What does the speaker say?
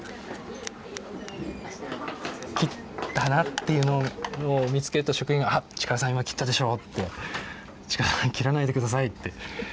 切ったなっていうのを見つけると職員が「あ！力さん今切ったでしょ」って「力さん切らないで下さい」って。